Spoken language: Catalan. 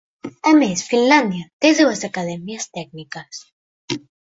A més, Finlàndia té dues acadèmies tècniques.